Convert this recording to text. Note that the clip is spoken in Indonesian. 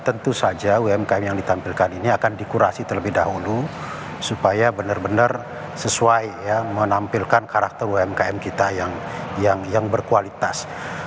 tentu saja umkm yang ditampilkan ini akan dikurasi terlebih dahulu supaya benar benar sesuai menampilkan karakter umkm kita yang berkualitas